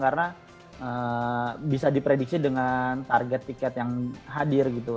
karena bisa diprediksi dengan target tiket yang hadir gitu